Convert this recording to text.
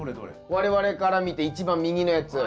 我々から見て一番右のやつ。